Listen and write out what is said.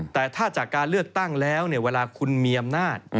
แต่ถ้าจากการเลือกตั้งแล้วเวลาคุณมีอำนาจ